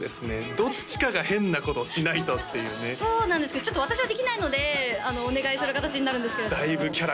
どっちかが変なことをしないとっていうねそうなんですけどちょっと私はできないのでお願いする形になるんですけれどもだいぶキャラ